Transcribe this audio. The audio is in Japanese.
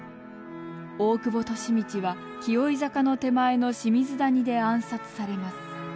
大久保利通は紀尾井坂の手前の清水谷で暗殺されます。